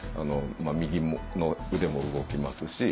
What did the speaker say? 右の腕も動きますし。